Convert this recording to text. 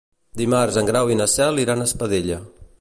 Dimarts en Grau i na Cel iran a Espadella.